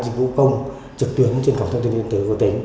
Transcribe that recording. dịch vụ công trực tuyến trên cổng thông tin điện tử của tỉnh